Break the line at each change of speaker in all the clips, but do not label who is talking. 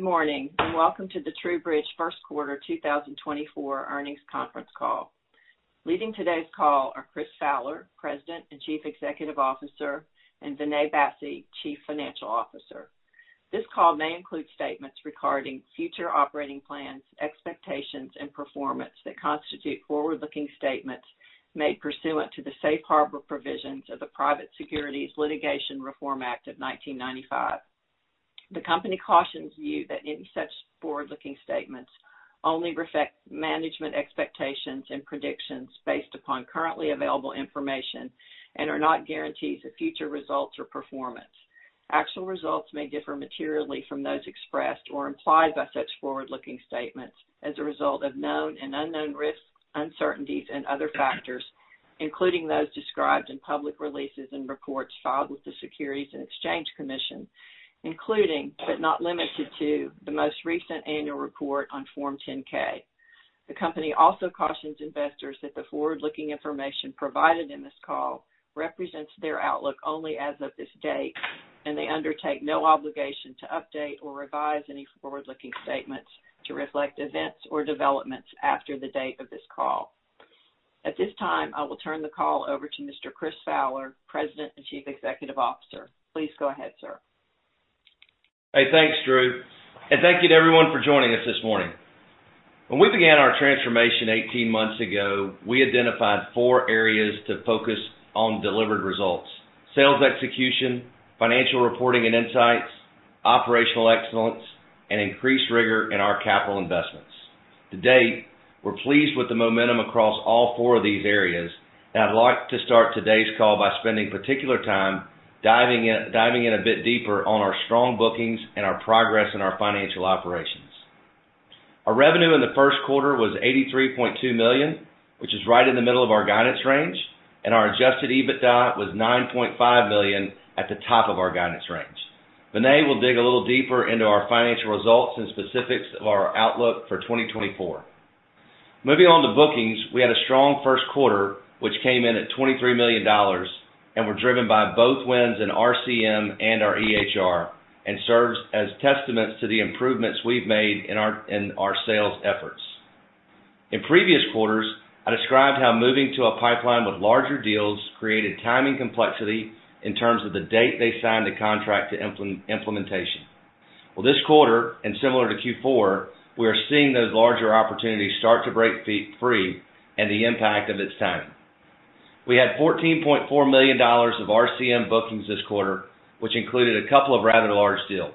Good morning and welcome to the TruBridge First Quarter 2024 Earnings Conference Call. Leading today's call are Chris Fowler, President and Chief Executive Officer, and Vinay Bassi, Chief Financial Officer. This call may include statements regarding future operating plans, expectations, and performance that constitute forward-looking statements made pursuant to the Safe Harbor provisions of the Private Securities Litigation Reform Act of 1995. The company cautions you that any such forward-looking statements only reflect management expectations and predictions based upon currently available information and are not guarantees of future results or performance. Actual results may differ materially from those expressed or implied by such forward-looking statements as a result of known and unknown risks, uncertainties, and other factors, including those described in public releases and reports filed with the Securities and Exchange Commission, including but not limited to the most recent annual report on Form 10-K. The company also cautions investors that the forward-looking information provided in this call represents their outlook only as of this date, and they undertake no obligation to update or revise any forward-looking statements to reflect events or developments after the date of this call. At this time, I will turn the call over to Mr. Chris Fowler, President and Chief Executive Officer. Please go ahead, sir.
Hey, thanks, Dru. And thank you to everyone for joining us this morning. When we began our transformation 18 months ago, we identified four areas to focus on delivered results: sales execution, financial reporting and insights, operational excellence, and increased rigor in our capital investments. To date, we're pleased with the momentum across all four of these areas, and I'd like to start today's call by spending particular time diving in a bit deeper on our strong bookings and our progress in our financial operations. Our revenue in the first quarter was $83.2 million, which is right in the middle of our guidance range, and our Adjusted EBITDA was $9.5 million at the top of our guidance range. Vinay will dig a little deeper into our financial results and specifics of our outlook for 2024. Moving on to bookings, we had a strong first quarter, which came in at $23 million, and were driven by both wins in RCM and our EHR and serves as testaments to the improvements we've made in our sales efforts. In previous quarters, I described how moving to a pipeline with larger deals created timing complexity in terms of the date they signed the contract to implementation. Well, this quarter, and similar to Q4, we are seeing those larger opportunities start to break free and the impact of its timing. We had $14.4 million of RCM bookings this quarter, which included a couple of rather large deals.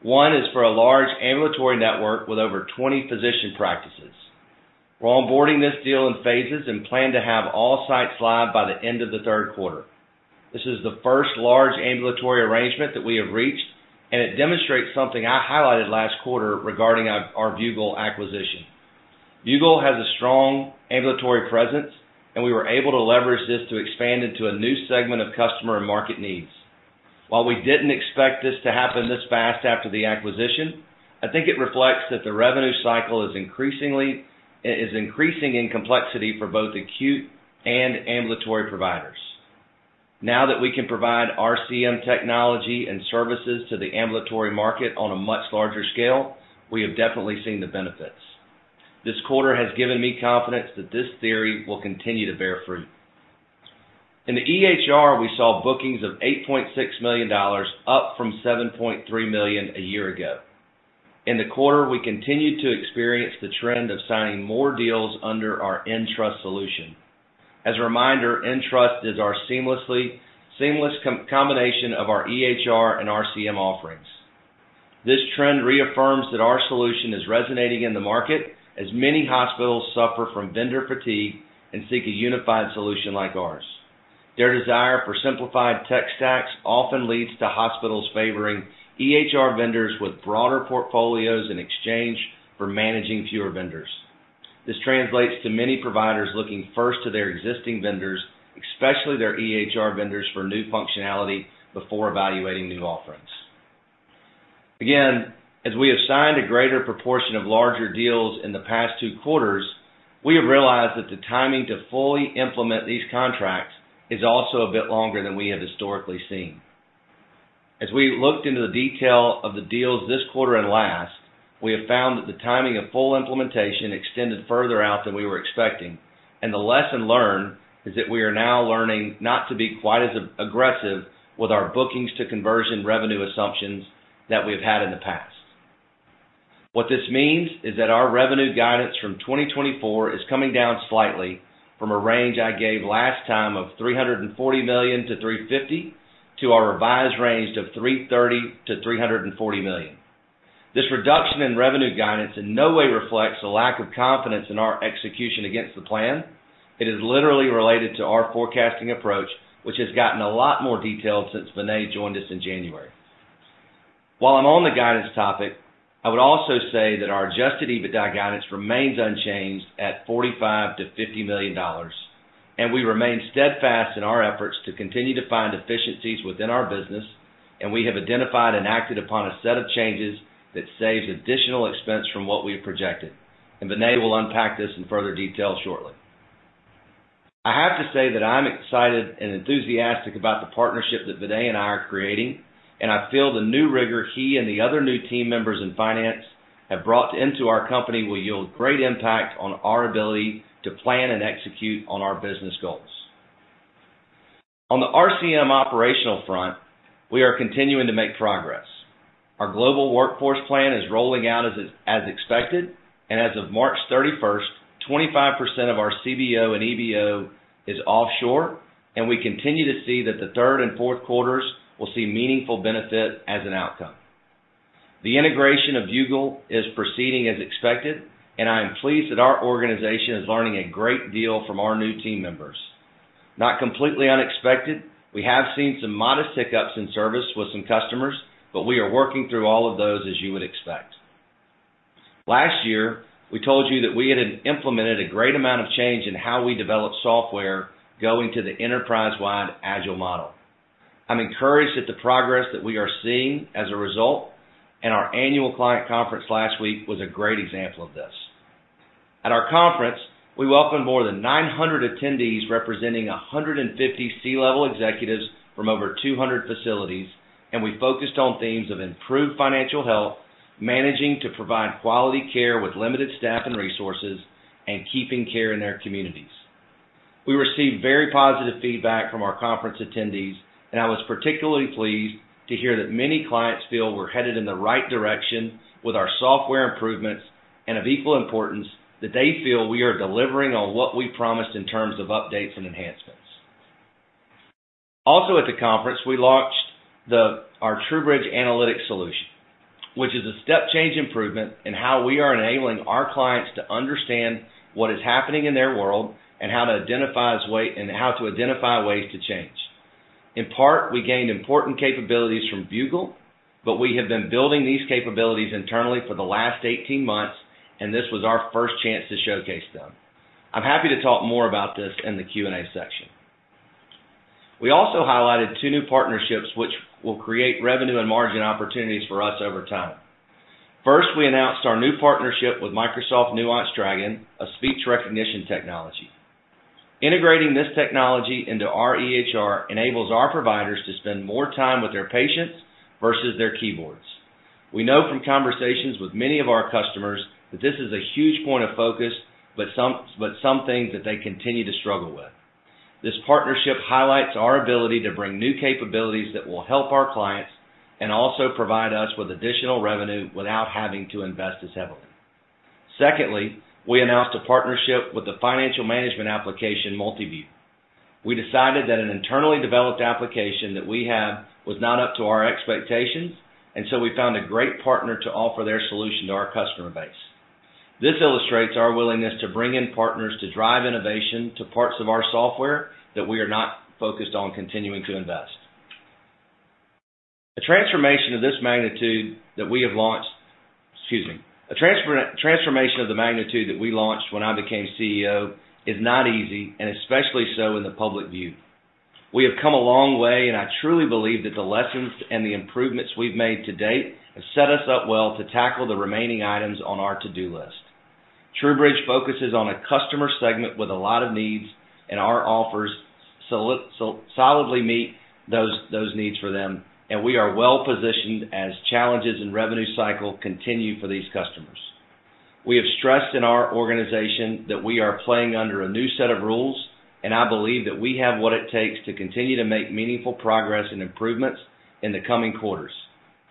One is for a large ambulatory network with over 20 physician practices. We're onboarding this deal in phases and plan to have all sites live by the end of the third quarter. This is the first large ambulatory arrangement that we have reached, and it demonstrates something I highlighted last quarter regarding our Viewgol acquisition. Viewgol has a strong ambulatory presence, and we were able to leverage this to expand into a new segment of customer and market needs. While we didn't expect this to happen this fast after the acquisition, I think it reflects that the revenue cycle is increasingly in complexity for both acute and ambulatory providers. Now that we can provide RCM technology and services to the ambulatory market on a much larger scale, we have definitely seen the benefits. This quarter has given me confidence that this theory will continue to bear fruit. In the EHR, we saw bookings of $8.6 million up from $7.3 million a year ago. In the quarter, we continued to experience the trend of signing more deals under our Entrust solution. As a reminder, Entrust is our seamless combination of our EHR and RCM offerings. This trend reaffirms that our solution is resonating in the market as many hospitals suffer from vendor fatigue and seek a unified solution like ours. Their desire for simplified tech stacks often leads to hospitals favoring EHR vendors with broader portfolios in exchange for managing fewer vendors. This translates to many providers looking first to their existing vendors, especially their EHR vendors, for new functionality before evaluating new offerings. Again, as we have signed a greater proportion of larger deals in the past two quarters, we have realized that the timing to fully implement these contracts is also a bit longer than we have historically seen. As we looked into the detail of the deals this quarter and last, we have found that the timing of full implementation extended further out than we were expecting, and the lesson learned is that we are now learning not to be quite as aggressive with our bookings to conversion revenue assumptions that we have had in the past. What this means is that our revenue guidance from 2024 is coming down slightly from a range I gave last time of $340 million-$350 million to our revised range of $330 million-$340 million. This reduction in revenue guidance in no way reflects a lack of confidence in our execution against the plan. It is literally related to our forecasting approach, which has gotten a lot more detailed since Vinay joined us in January. While I'm on the guidance topic, I would also say that our Adjusted EBITDA guidance remains unchanged at $45 million-$50 million, and we remain steadfast in our efforts to continue to find efficiencies within our business, and we have identified and acted upon a set of changes that saves additional expense from what we have projected. Vinay will unpack this in further detail shortly. I have to say that I'm excited and enthusiastic about the partnership that Vinay and I are creating, and I feel the new rigor he and the other new team members in finance have brought into our company will yield great impact on our ability to plan and execute on our business goals. On the RCM operational front, we are continuing to make progress. Our global workforce plan is rolling out as expected, and as of March 31st, 25% of our CBO and EBO is offshore, and we continue to see that the third and fourth quarters will see meaningful benefit as an outcome. The integration of Viewgol is proceeding as expected, and I am pleased that our organization is learning a great deal from our new team members. Not completely unexpected, we have seen some modest hiccups in service with some customers, but we are working through all of those as you would expect. Last year, we told you that we had implemented a great amount of change in how we develop software going to the enterprise-wide Agile model. I'm encouraged at the progress that we are seeing as a result, and our annual client conference last week was a great example of this. At our conference, we welcomed more than 900 attendees representing 150 C-level executives from over 200 facilities, and we focused on themes of improved financial health, managing to provide quality care with limited staff and resources, and keeping care in their communities. We received very positive feedback from our conference attendees, and I was particularly pleased to hear that many clients feel we're headed in the right direction with our software improvements and of equal importance that they feel we are delivering on what we promised in terms of updates and enhancements. Also at the conference, we launched our TruBridge Analytics solution, which is a step-change improvement in how we are enabling our clients to understand what is happening in their world and how to identify ways to change. In part, we gained important capabilities from Viewgol, but we have been building these capabilities internally for the last 18 months, and this was our first chance to showcase them. I'm happy to talk more about this in the Q&A section. We also highlighted two new partnerships which will create revenue and margin opportunities for us over time. First, we announced our new partnership with Microsoft Nuance Dragon, a speech recognition technology. Integrating this technology into our EHR enables our providers to spend more time with their patients versus their keyboards. We know from conversations with many of our customers that this is a huge point of focus, but some things that they continue to struggle with. This partnership highlights our ability to bring new capabilities that will help our clients and also provide us with additional revenue without having to invest as heavily. Secondly, we announced a partnership with the financial management application Multiview. We decided that an internally developed application that we have was not up to our expectations, and so we found a great partner to offer their solution to our customer base. This illustrates our willingness to bring in partners to drive innovation to parts of our software that we are not focused on continuing to invest. A transformation of this magnitude that we have launched, excuse me, a transformation of the magnitude that we launched when I became CEO is not easy, and especially so in the public view. We have come a long way, and I truly believe that the lessons and the improvements we've made to date have set us up well to tackle the remaining items on our to-do list. TruBridge focuses on a customer segment with a lot of needs, and our offers solidly meet those needs for them, and we are well positioned as challenges in the revenue cycle continue for these customers. We have stressed in our organization that we are playing under a new set of rules, and I believe that we have what it takes to continue to make meaningful progress and improvements in the coming quarters.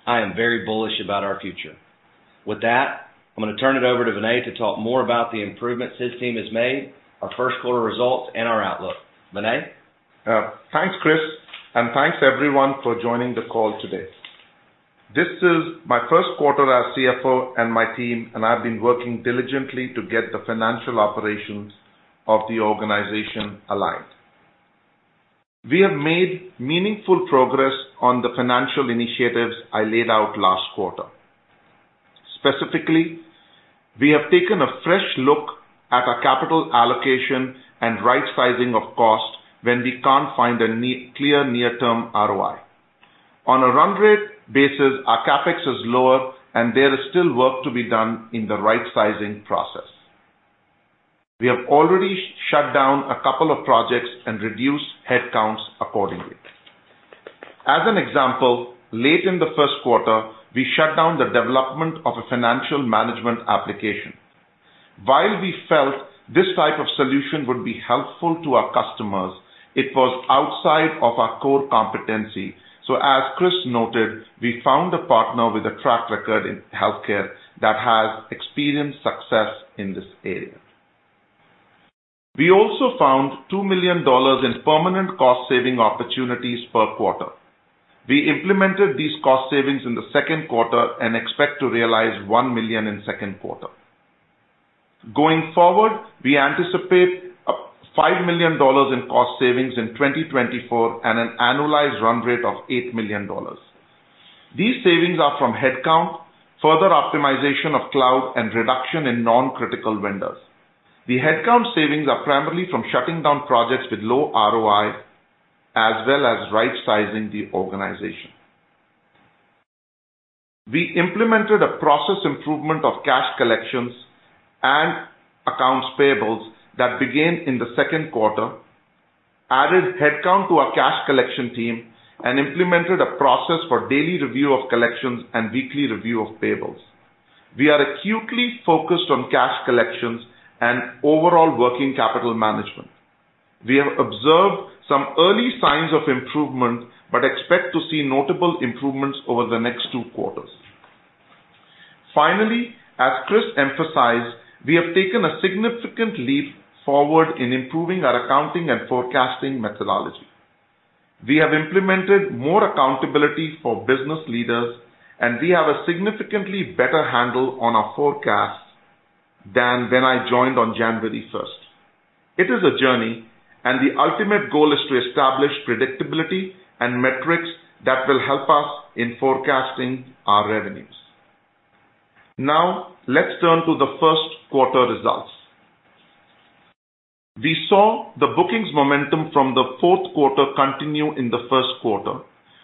I am very bullish about our future. With that, I'm going to turn it over to Vinay to talk more about the improvements his team has made, our first quarter results, and our outlook. Vinay?
Thanks, Chris, and thanks everyone for joining the call today. This is my first quarter as CFO and my team, and I've been working diligently to get the financial operations of the organization aligned. We have made meaningful progress on the financial initiatives I laid out last quarter. Specifically, we have taken a fresh look at our capital allocation and right-sizing of cost when we can't find a clear near-term ROI. On a run-rate basis, our CapEx is lower, and there is still work to be done in the right-sizing process. We have already shut down a couple of projects and reduced headcounts accordingly. As an example, late in the first quarter, we shut down the development of a financial management application. While we felt this type of solution would be helpful to our customers, it was outside of our core competency. So, as Chris noted, we found a partner with a track record in healthcare that has experienced success in this area. We also found $2 million in permanent cost-saving opportunities per quarter. We implemented these cost savings in the second quarter and expect to realize $1 million in the second quarter. Going forward, we anticipate $5 million in cost savings in 2024 and an annualized run-rate of $8 million. These savings are from headcount, further optimization of cloud, and reduction in non-critical vendors. The headcount savings are primarily from shutting down projects with low ROI as well as right-sizing the organization. We implemented a process improvement of cash collections and accounts payables that began in the second quarter, added headcount to our cash collection team, and implemented a process for daily review of collections and weekly review of payables. We are acutely focused on cash collections and overall working capital management. We have observed some early signs of improvement but expect to see notable improvements over the next two quarters. Finally, as Chris emphasized, we have taken a significant leap forward in improving our accounting and forecasting methodology. We have implemented more accountability for business leaders, and we have a significantly better handle on our forecasts than when I joined on January 1st. It is a journey, and the ultimate goal is to establish predictability and metrics that will help us in forecasting our revenues. Now, let's turn to the first quarter results. We saw the bookings momentum from the fourth quarter continue in the first quarter,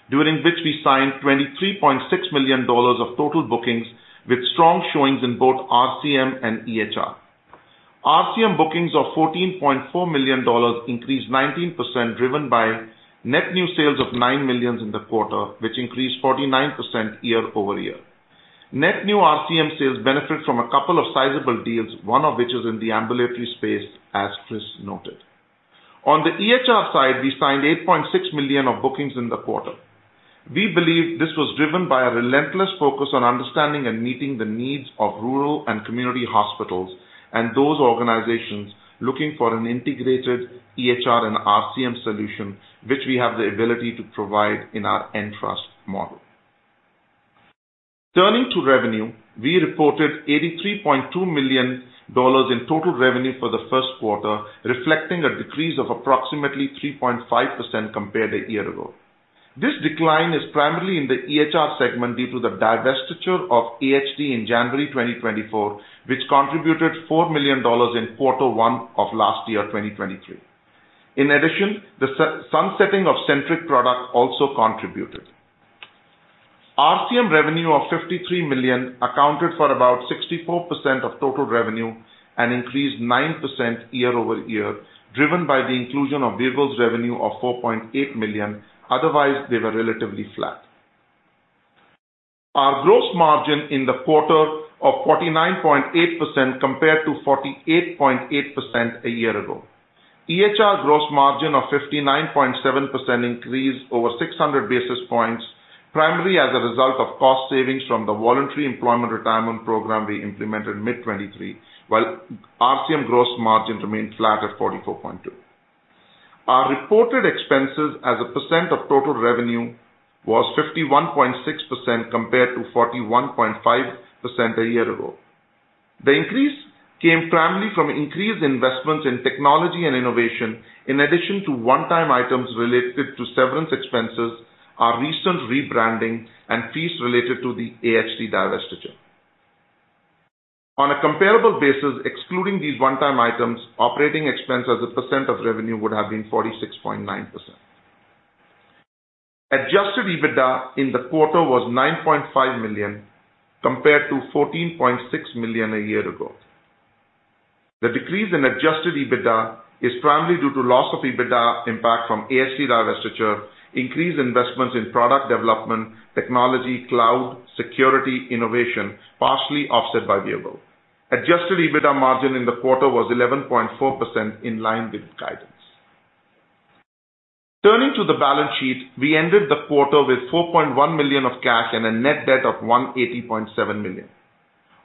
during which we signed $23.6 million of total bookings with strong showings in both RCM and EHR. RCM bookings of $14.4 million increased 19% driven by net new sales of $9 million in the quarter, which increased 49% year-over-year. Net new RCM sales benefited from a couple of sizable deals, one of which is in the ambulatory space, as Chris noted. On the EHR side, we signed $8.6 million of bookings in the quarter. We believe this was driven by a relentless focus on understanding and meeting the needs of rural and community hospitals and those organizations looking for an integrated EHR and RCM solution, which we have the ability to provide in our Entrust model. Turning to revenue, we reported $83.2 million in total revenue for the first quarter, reflecting a decrease of approximately 3.5% compared to a year ago. This decline is primarily in the EHR segment due to the divestiture of AHT in January 2024, which contributed $4 million in quarter one of last year, 2023. In addition, the sunsetting of Centriq also contributed. RCM revenue of $53 million accounted for about 64% of total revenue and increased 9% year-over-year, driven by the inclusion of Viewgol revenue of $4.8 million; otherwise, they were relatively flat. Our gross margin in the quarter is 49.8% compared to 48.8% a year ago. EHR gross margin of 59.7% increased over 600 basis points, primarily as a result of cost savings from the Voluntary Employment Retirement Program we implemented mid-2023, while RCM gross margin remained flat at 44.2%. Our reported expenses as a percent of total revenue were 51.6% compared to 41.5% a year ago. The increase came primarily from increased investments in technology and innovation, in addition to one-time items related to severance expenses, our recent rebranding, and fees related to the AHT divestiture. On a comparable basis, excluding these one-time items, operating expense as a percent of revenue would have been 46.9%. Adjusted EBITDA in the quarter was $9.5 million compared to $14.6 million a year ago. The decrease in adjusted EBITDA is primarily due to loss of EBITDA impact from AHT divestiture, increased investments in product development, technology, cloud, security, innovation, partially offset by Viewgol Adjusted EBITDA margin in the quarter was 11.4% in line with guidance. Turning to the balance sheet, we ended the quarter with $4.1 million of cash and a net debt of $180.7 million.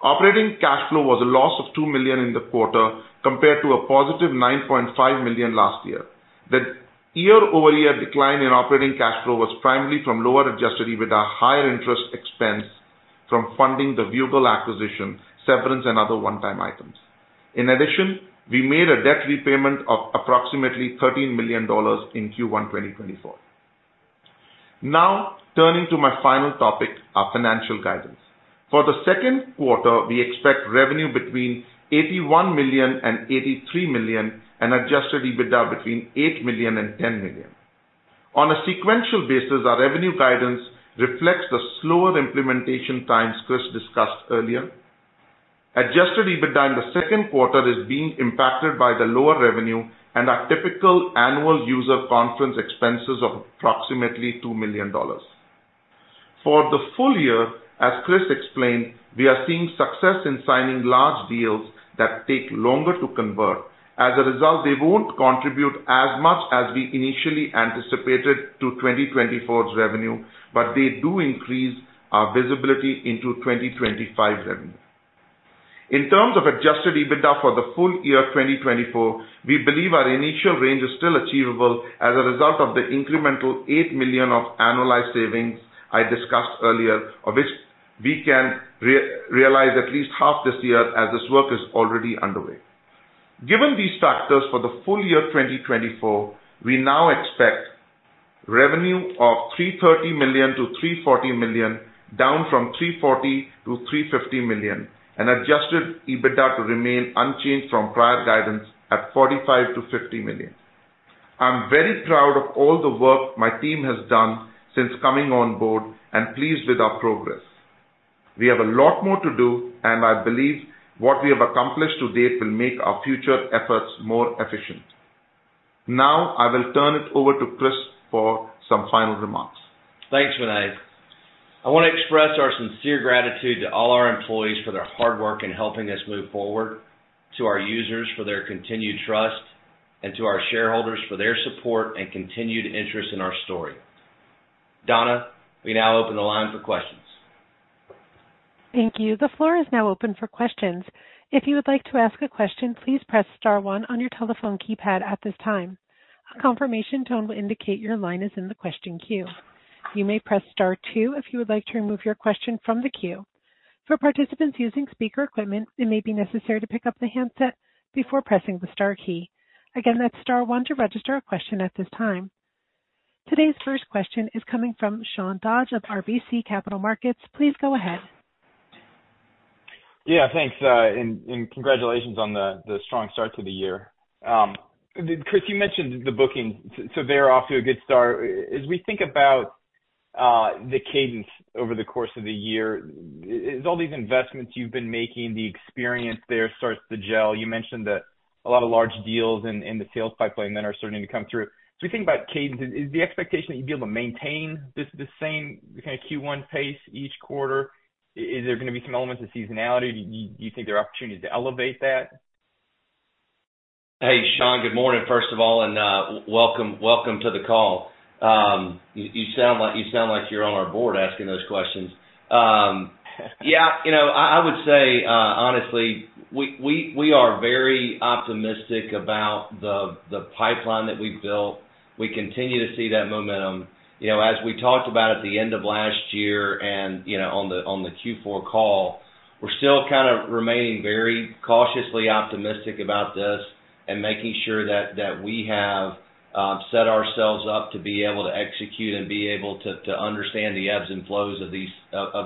Operating cash flow was a loss of $2 million in the quarter compared to a positive $9.5 million last year. The year-over-year decline in operating cash flow was primarily from lower Adjusted EBITDA, higher interest expense from funding the Viewgol acquisition, severance, and other one-time items. In addition, we made a debt repayment of approximately $13 million in Q1 2024. Now, turning to my final topic, our financial guidance. For the second quarter, we expect revenue between $81-$83 million and Adjusted EBITDA between $8-$10 million. On a sequential basis, our revenue guidance reflects the slower implementation times Chris discussed earlier. Adjusted EBITDA in the second quarter is being impacted by the lower revenue and our typical annual user conference expenses of approximately $2 million. For the full year, as Chris explained, we are seeing success in signing large deals that take longer to convert. As a result, they won't contribute as much as we initially anticipated to 2024's revenue, but they do increase our visibility into 2025 revenue. In terms of Adjusted EBITDA for the full year 2024, we believe our initial range is still achievable as a result of the incremental $8 million of annualized savings I discussed earlier, of which we can realize at least half this year as this work is already underway. Given these factors for the full year 2024, we now expect revenue of $330 million-$340 million, down from $340 million-$350 million, and Adjusted EBITDA to remain unchanged from prior guidance at $45 million-$50 million. I'm very proud of all the work my team has done since coming on board and pleased with our progress. We have a lot more to do, and I believe what we have accomplished to date will make our future efforts more efficient. Now, I will turn it over to Chris for some final remarks.
Thanks, Vinay. I want to express our sincere gratitude to all our employees for their hard work in helping us move forward, to our users for their continued trust, and to our shareholders for their support and continued interest in our story. Donna, we now open the line for questions.
Thank you. The floor is now open for questions. If you would like to ask a question, please press star one on your telephone keypad at this time. A confirmation tone will indicate your line is in the question queue. You may press star two if you would like to remove your question from the queue. For participants using speaker equipment, it may be necessary to pick up the handset before pressing the star key. Again, that's star one to register a question at this time. Today's first question is coming from Sean Dodge of RBC Capital Markets. Please go ahead.
Yeah, thanks, and congratulations on the strong start to the year. Chris, you mentioned the bookings, so they're off to a good start. As we think about the cadence over the course of the year, all these investments you've been making, the experience there starts to gel. You mentioned that a lot of large deals in the sales pipeline then are starting to come through. As we think about cadence, is the expectation that you'd be able to maintain this same kind of Q1 pace each quarter? Is there going to be some elements of seasonality? Do you think there are opportunities to elevate that?
Hey, Sean, good morning, first of all, and welcome to the call. You sound like you're on our board asking those questions. Yeah, I would say, honestly, we are very optimistic about the pipeline that we've built. We continue to see that momentum. As we talked about at the end of last year and on the Q4 call, we're still kind of remaining very cautiously optimistic about this and making sure that we have set ourselves up to be able to execute and be able to understand the ebbs and flows of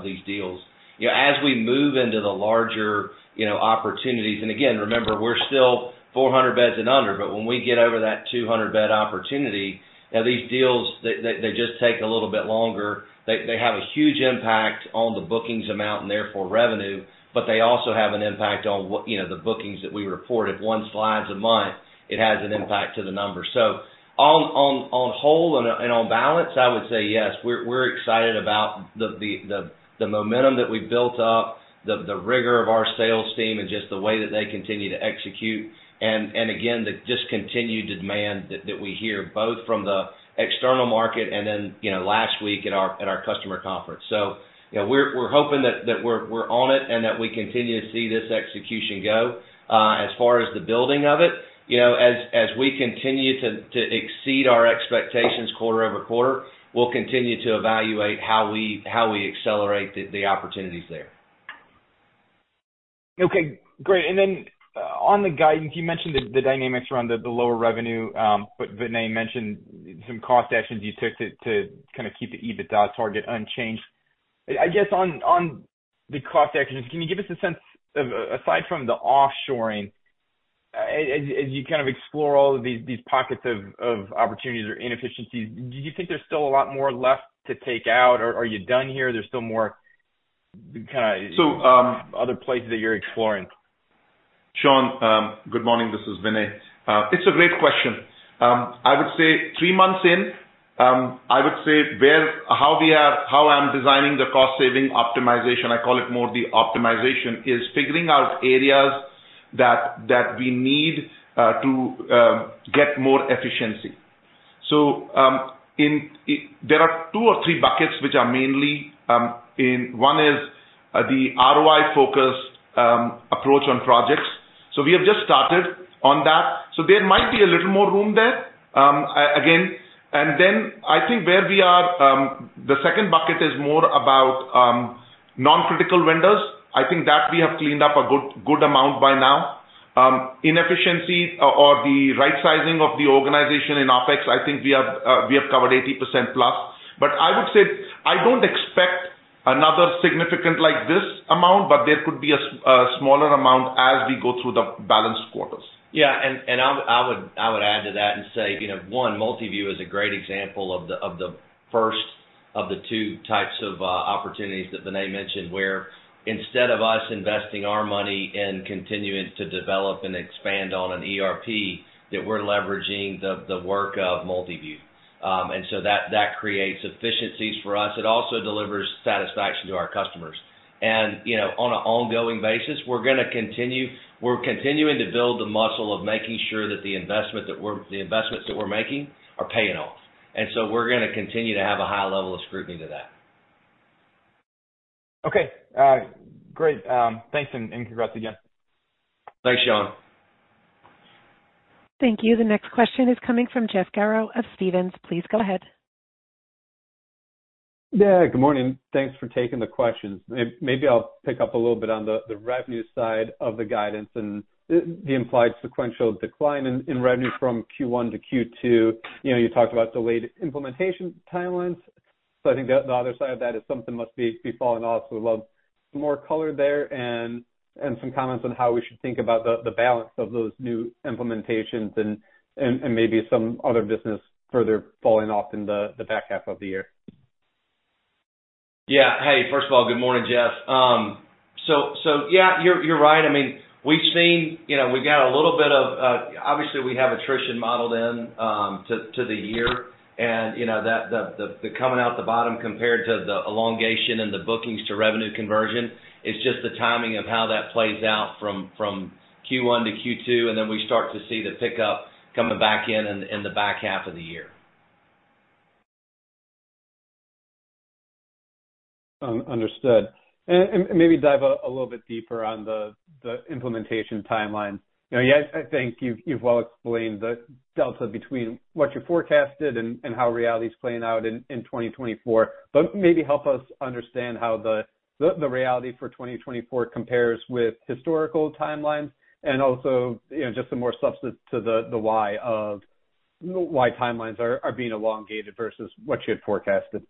these deals. As we move into the larger opportunities and again, remember, we're still 400 beds and under, but when we get over that 200-bed opportunity, now these deals, they just take a little bit longer. They have a huge impact on the bookings amount and therefore revenue, but they also have an impact on the bookings that we report. If one slides a month, it has an impact to the number. So on the whole and on balance, I would say yes, we're excited about the momentum that we've built up, the rigor of our sales team, and just the way that they continue to execute. And again, the just continued demand that we hear both from the external market and then last week at our customer conference. So we're hoping that we're on it and that we continue to see this execution go. As far as the building of it, as we continue to exceed our expectations quarter-over-quarter, we'll continue to evaluate how we accelerate the opportunities there.
Okay, great. And then on the guidance, you mentioned the dynamics around the lower revenue, but Vinay mentioned some cost actions you took to kind of keep the EBITDA target unchanged. I guess on the cost actions, can you give us a sense of aside from the offshoring, as you kind of explore all of these pockets of opportunities or inefficiencies, do you think there's still a lot more left to take out, or are you done here? There's still more kind of other places that you're exploring?
Sean, good morning. This is Vinay. It's a great question. I would say three months in, I would say how I'm designing the cost saving optimization - I call it more the optimization - is figuring out areas that we need to get more efficiency. So there are two or three buckets which are mainly in one is the ROI-focused approach on projects. So we have just started on that. So there might be a little more room there, again. And then I think where we are, the second bucket is more about non-critical vendors. I think that we have cleaned up a good amount by now. Inefficiency or the right-sizing of the organization in OPEX, I think we have covered 80%+. But I would say I don't expect another significant like this amount, but there could be a smaller amount as we go through the balanced quarters.
Yeah, I would add to that and say, one, Multiview is a great example of the first of the two types of opportunities that Vinay mentioned, where instead of us investing our money in continuing to develop and expand on an ERP, that we're leveraging the work of Multiview. So that creates efficiencies for us. It also delivers satisfaction to our customers. On an ongoing basis, we're going to continue—we're continuing to build the muscle of making sure that the investments that we're making are paying off. So we're going to continue to have a high level of scrutiny to that.
Okay, great. Thanks and congrats again.
Thanks, Sean.
Thank you. The next question is coming from Jeff Garro of Stephens. Please go ahead.
Yeah, good morning. Thanks for taking the questions. Maybe I'll pick up a little bit on the revenue side of the guidance and the implied sequential decline in revenue from Q1 to Q2. You talked about delayed implementation timelines. So I think the other side of that is something must be falling off. So we'd love some more color there and some comments on how we should think about the balance of those new implementations and maybe some other business further falling off in the back half of the year.
Yeah, hey, first of all, good morning, Jeff. So yeah, you're right. I mean, we've seen we've got a little bit of, obviously, we have attrition modeled in to the year. And the coming out the bottom compared to the elongation and the bookings to revenue conversion is just the timing of how that plays out from Q1 to Q2, and then we start to see the pickup coming back in in the back half of the year.
Understood. Maybe dive a little bit deeper on the implementation timelines. Yeah, I think you've well explained the delta between what you forecasted and how reality is playing out in 2024, but maybe help us understand how the reality for 2024 compares with historical timelines and also just some more substance to the why of why timelines are being elongated versus what you had forecasted.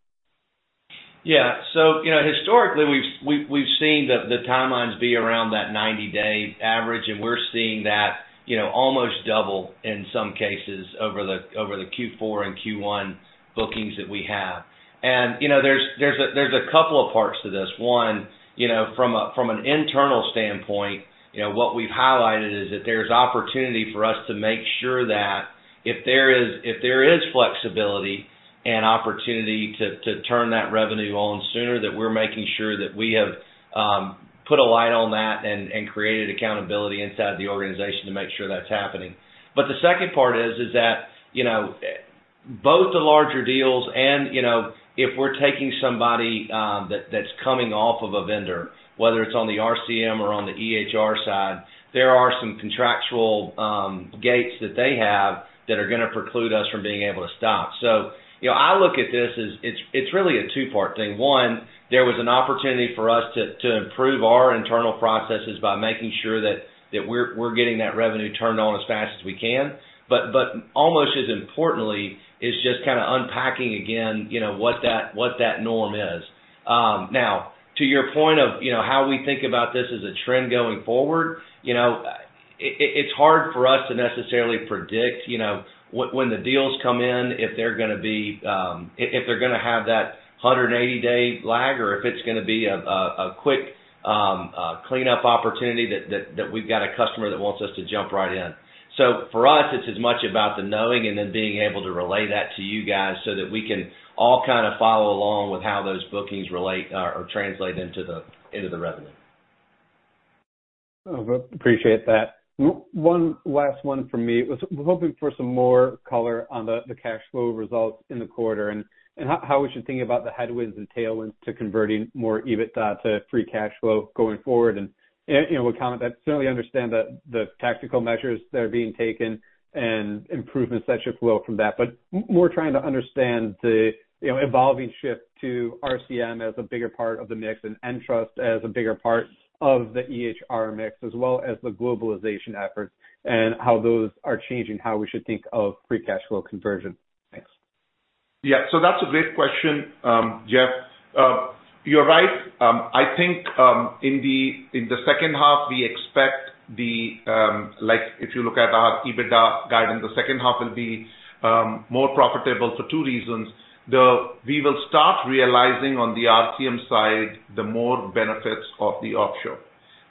Yeah, so historically, we've seen the timelines be around that 90-day average, and we're seeing that almost double in some cases over the Q4 and Q1 bookings that we have. There's a couple of parts to this. One, from an internal standpoint, what we've highlighted is that there's opportunity for us to make sure that if there is flexibility and opportunity to turn that revenue on sooner, that we're making sure that we have put a light on that and created accountability inside of the organization to make sure that's happening. But the second part is that both the larger deals and if we're taking somebody that's coming off of a vendor, whether it's on the RCM or on the EHR side, there are some contractual gates that they have that are going to preclude us from being able to stop. I look at this as it's really a two-part thing. One, there was an opportunity for us to improve our internal processes by making sure that we're getting that revenue turned on as fast as we can. But almost as importantly, it's just kind of unpacking again what that norm is. Now, to your point of how we think about this as a trend going forward, it's hard for us to necessarily predict when the deals come in, if they're going to have that 180-day lag or if it's going to be a quick cleanup opportunity that we've got a customer that wants us to jump right in. For us, it's as much about the knowing and then being able to relay that to you guys so that we can all kind of follow along with how those bookings relate or translate into the revenue.
Appreciate that. One last one from me. We're hoping for some more color on the cash flow results in the quarter and how we should think about the headwinds and tailwinds to converting more EBITDA to free cash flow going forward. And we'll comment that, certainly understand the tactical measures that are being taken and improvements that should flow from that, but more trying to understand the evolving shift to RCM as a bigger part of the mix and Entrust as a bigger part of the EHR mix as well as the globalization efforts and how those are changing how we should think of free cash flow conversion. Thanks.
Yeah, so that's a great question, Jeff. You're right. I think in the second half, we expect the if you look at our EBITDA guidance, the second half will be more profitable for two reasons. We will start realizing on the RCM side the more benefits of the offshore.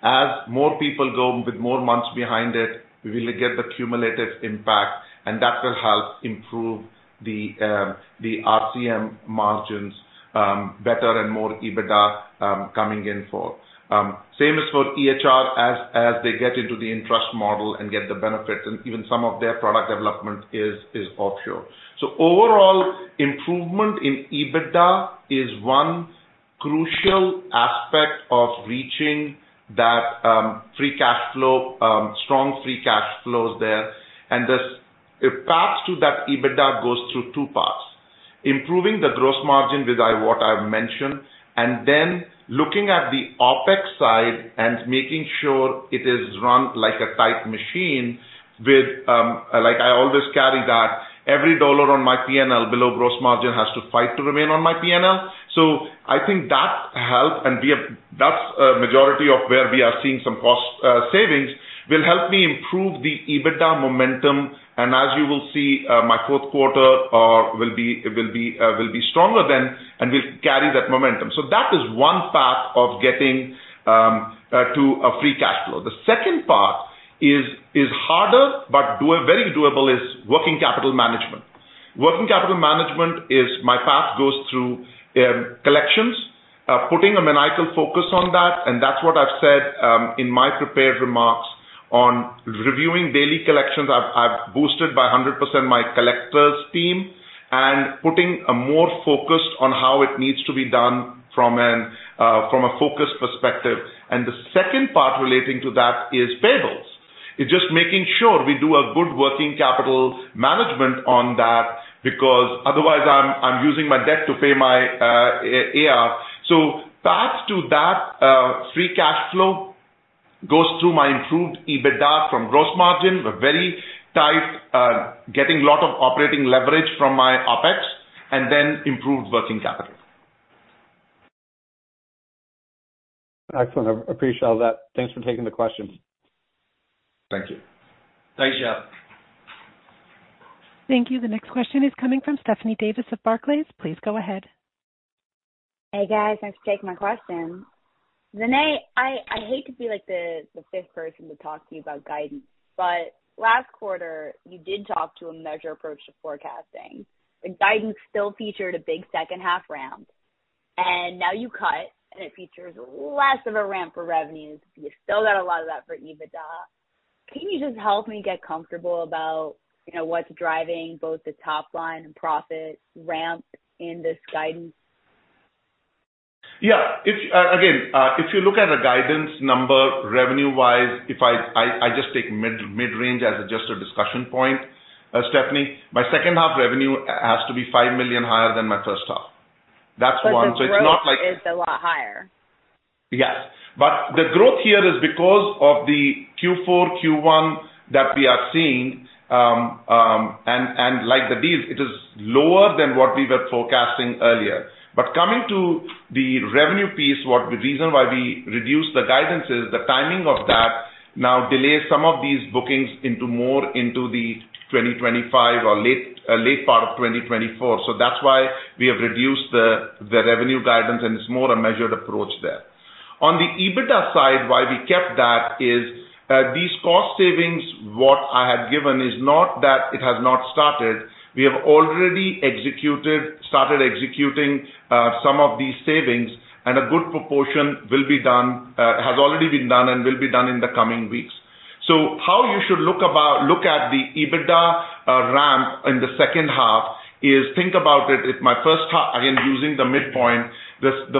As more people go with more months behind it, we will get the cumulative impact, and that will help improve the RCM margins better and more EBITDA coming in for. Same is for EHR as they get into the Entrust model and get the benefits, and even some of their product development is offshore. So overall, improvement in EBITDA is one crucial aspect of reaching that strong free cash flows there. The path to that EBITDA goes through two parts: improving the gross margin with what I've mentioned, and then looking at the OPEX side and making sure it is run like a tight machine with, I always carry that every dollar on my P&L below gross margin has to fight to remain on my P&L. So I think that help, and that's a majority of where we are seeing some cost savings, will help me improve the EBITDA momentum. And as you will see, my fourth quarter will be stronger then and will carry that momentum. So that is one path of getting to a free cash flow. The second part is harder, but very doable, is working capital management. Working capital management is my path goes through collections, putting a maniacal focus on that. And that's what I've said in my prepared remarks on reviewing daily collections. I've boosted by 100% my collectors team and putting a more focus on how it needs to be done from a focused perspective. The second part relating to that is payables. It's just making sure we do a good working capital management on that because otherwise, I'm using my debt to pay my AR. So path to that free cash flow goes through my improved EBITDA from gross margin, very tight, getting a lot of operating leverage from my OPEX, and then improved working capital.
Excellent. I appreciate all that. Thanks for taking the questions.
Thank you.
Thanks, Jeff.
Thank you. The next question is coming from Stephanie Davis of Barclays. Please go ahead.
Hey, guys. Thanks for taking my question. Vinay, I hate to be the fifth person to talk to you about guidance, but last quarter, you did talk to a measured approach to forecasting. The guidance still featured a big second-half ramp, and now you cut, and it features less of a ramp for revenues. You still got a lot of that for EBITDA. Can you just help me get comfortable about what's driving both the top line and profit ramp in this guidance?
Yeah. Again, if you look at the guidance number revenue-wise, I just take mid-range as just a discussion point, Stephanie. My second-half revenue has to be $5 million higher than my first half. That's one. So it's not like.
The growth is a lot higher.
Yes. But the growth here is because of the Q4, Q1 that we are seeing. And like the deals, it is lower than what we were forecasting earlier. But coming to the revenue piece, the reason why we reduced the guidance is the timing of that now delays some of these bookings more into the 2025 or late part of 2024. So that's why we have reduced the revenue guidance, and it's more a measured approach there. On the EBITDA side, why we kept that is these cost savings, what I had given, is not that it has not started. We have already started executing some of these savings, and a good proportion has already been done and will be done in the coming weeks. So how you should look at the EBITDA ramp in the second half is think about it. Again, using the midpoint,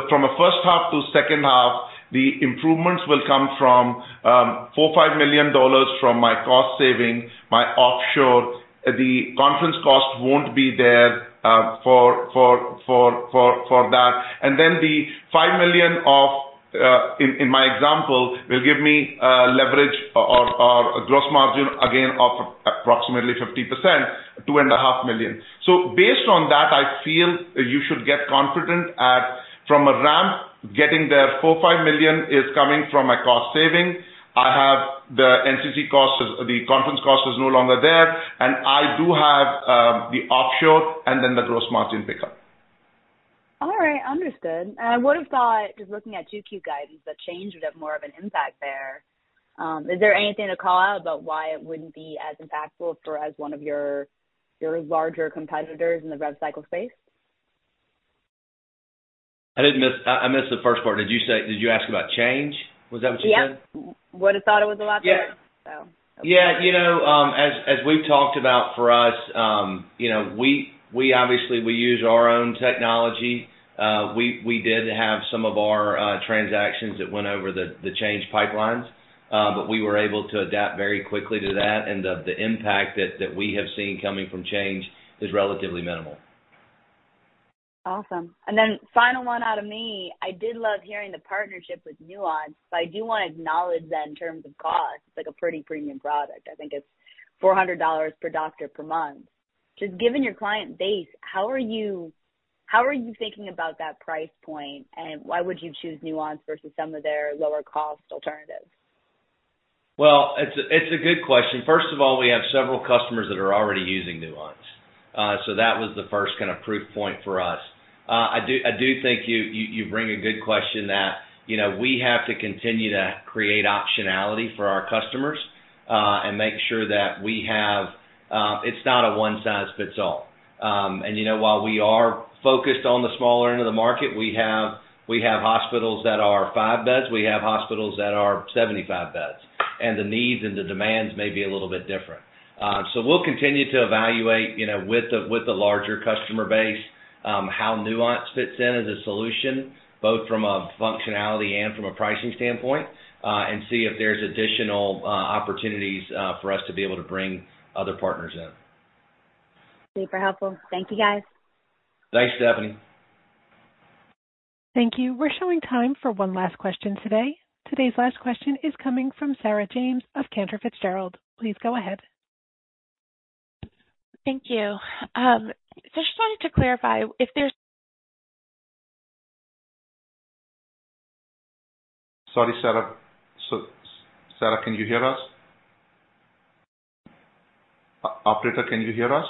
from a first half to second half, the improvements will come from $4-$5 million from my cost saving, my offshore. The conference cost won't be there for that. Then the $5 million of, in my example, will give me leverage or gross margin, again, of approximately 50%, $2.5 million. So based on that, I feel you should get confident from a ramp. Getting there $4-$5 million is coming from a cost saving. I have the NCC cost. The conference cost is no longer there, and I do have the offshore and then the gross margin pickup.
All right, understood. And what I thought, just looking at 2Q guidance, that change would have more of an impact there? Is there anything to call out about why it wouldn't be as impactful as one of your larger competitors in the rev cycle space?
I missed the first part. Did you ask about change? Was that what you said?
Yes. What if I thought it was a lot better?
Yeah. As we've talked about for us, obviously, we use our own technology. We did have some of our transactions that went over the Change pipelines, but we were able to adapt very quickly to that. And the impact that we have seen coming from Change is relatively minimal.
Awesome. And then final one out of me. I did love hearing the partnership with Nuance. So I do want to acknowledge that in terms of cost. It's a pretty premium product. I think it's $400 per doctor per month. Just given your client base, how are you thinking about that price point, and why would you choose Nuance versus some of their lower-cost alternatives?
Well, it's a good question. First of all, we have several customers that are already using Nuance. So that was the first kind of proof point for us. I do think you bring a good question that we have to continue to create optionality for our customers and make sure that we have. It's not a one-size-fits-all. While we are focused on the smaller end of the market, we have hospitals that are five beds. We have hospitals that are 75 beds. And the needs and the demands may be a little bit different. So we'll continue to evaluate with the larger customer base how Nuance fits in as a solution, both from a functionality and from a pricing standpoint, and see if there's additional opportunities for us to be able to bring other partners in.
Super helpful. Thank you, guys.
Thanks, Stephanie.
Thank you. We're showing time for one last question today. Today's last question is coming from Sarah James of Cantor Fitzgerald. Please go ahead.
Thank you. I just wanted to clarify if there's?
Sorry, Sarah. Sarah, can you hear us? Operator, can you hear us?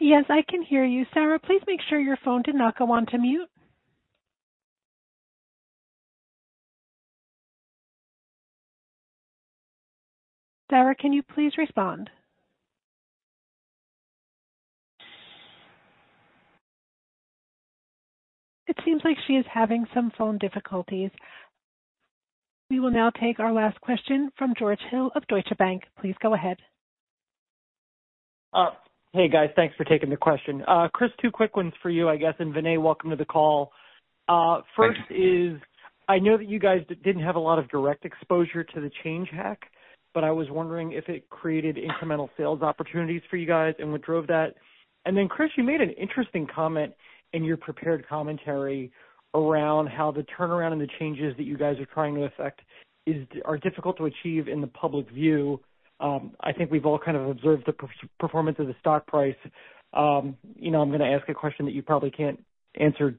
Yes, I can hear you. Sarah, please make sure your phone did not go on to mute. Sarah, can you please respond? It seems like she is having some phone difficulties. We will now take our last question from George Hill of Deutsche Bank. Please go ahead.
Hey, guys. Thanks for taking the question. Chris, two quick ones for you, I guess. And Vinay, welcome to the call. First is I know that you guys didn't have a lot of direct exposure to the Change Healthcare hack, but I was wondering if it created incremental sales opportunities for you guys and what drove that. And then, Chris, you made an interesting comment in your prepared commentary around how the turnaround and the changes that you guys are trying to affect are difficult to achieve in the public view. I think we've all kind of observed the performance of the stock price. I'm going to ask a question that you probably can't answer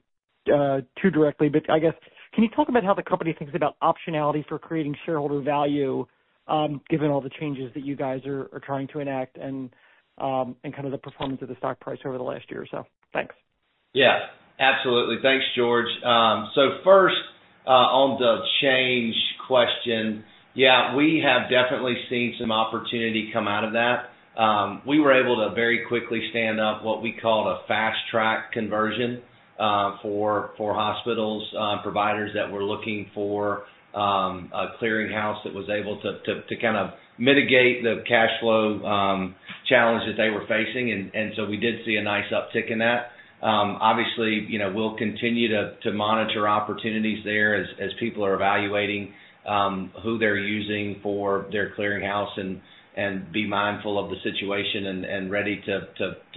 too directly, but I guess can you talk about how the company thinks about optionality for creating shareholder value given all the changes that you guys are trying to enact and kind of the performance of the stock price over the last year or so? Thanks.
Yeah, absolutely. Thanks, George. So first, on the change question, yeah, we have definitely seen some opportunity come out of that. We were able to very quickly stand up what we called a fast-track conversion for hospitals and providers that were looking for a clearinghouse that was able to kind of mitigate the cash flow challenge that they were facing. And so we did see a nice uptick in that. Obviously, we'll continue to monitor opportunities there as people are evaluating who they're using for their clearinghouse and be mindful of the situation and ready to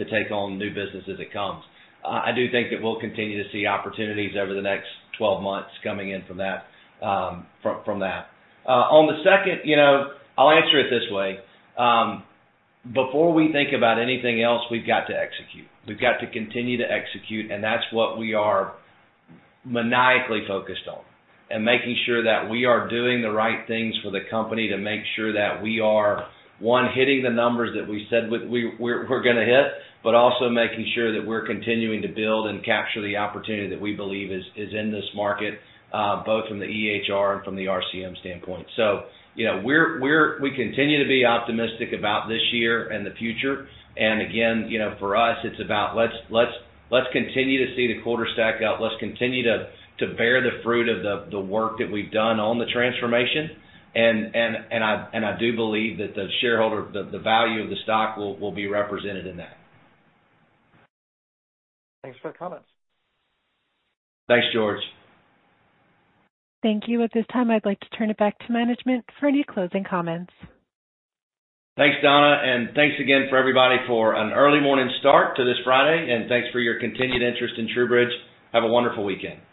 take on new business as it comes. I do think that we'll continue to see opportunities over the next 12 months coming in from that. On the second, I'll answer it this way. Before we think about anything else, we've got to execute. We've got to continue to execute, and that's what we are maniacally focused on, and making sure that we are doing the right things for the company to make sure that we are, one, hitting the numbers that we said we're going to hit, but also making sure that we're continuing to build and capture the opportunity that we believe is in this market, both from the EHR and from the RCM standpoint. So we continue to be optimistic about this year and the future. And again, for us, it's about let's continue to see the quarter stack up. Let's continue to bear the fruit of the work that we've done on the transformation. And I do believe that the value of the stock will be represented in that.
Thanks for the comments.
Thanks, George.
Thank you. At this time, I'd like to turn it back to management for any closing comments.
Thanks, Donna. Thanks again for everybody for an early morning start to this Friday. Thanks for your continued interest in TruBridge. Have a wonderful weekend.